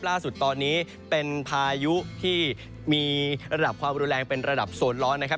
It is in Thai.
ล่าสุดตอนนี้เป็นพายุที่มีระดับความรุนแรงเป็นระดับโซนร้อนนะครับ